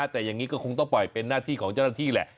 แต่อย่างนี้ก็คงต้องปล่อยเป็นหน้าที่ของเจ้าหน้าที่แหละ